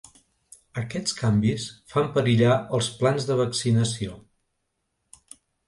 Aquests canvis fan perillar els plans de vaccinació.